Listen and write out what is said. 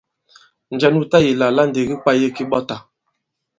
Njɛ nu tayī àlà àla ndì ki kwāye ki ɓɔtà?